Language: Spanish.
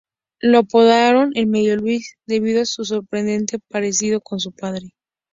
Lo apodaron "El medio Luis", debido a su sorprendente parecido con su padre.